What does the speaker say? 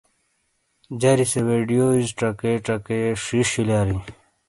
جری سے ویڈیوز چکے چکے ݜیݜ شولیاری۔